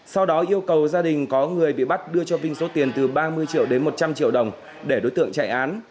sau đó yêu cầu gia đình có người bị bắt đưa cho vinh số tiền từ ba mươi triệu đến một trăm linh triệu đồng để đối tượng chạy án